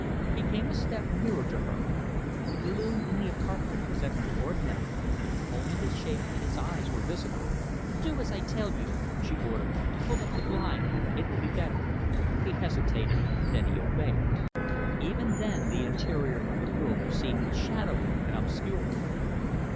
He came a step nearer to her. The gloom in the apartment was extraordinary. Only his shape and his eyes were visible. "Do as I tell you," she ordered. "Pull up the blind. It will be better." He hesitated. Then he obeyed. Even then the interior of the room seemed shadowy and obscure.